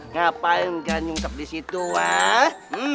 ngapain ganyung tetap di situ wah